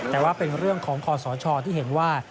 แต่ว่าเป็นเรื่องของคอสชที่เห็นว่า